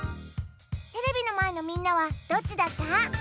テレビのまえのみんなはどっちだった？